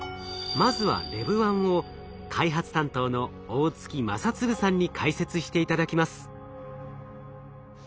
まずはＬＥＶ−１を開発担当の大槻真嗣さんに解説して頂きます。